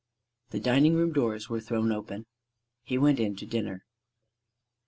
The dining room doors were thrown open he went in to dinner.